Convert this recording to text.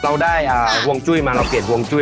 เราได้ห่วงจุ้ยมาเราเปลี่ยนห่วงจุ้ย